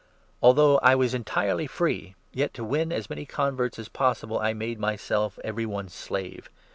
Although I was entirely free, yet, to win as many converts as 19 possible, I made myself every one's slave.